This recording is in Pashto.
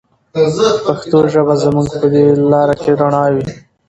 پښتو ژبه به زموږ په دې لاره کې رڼا وي.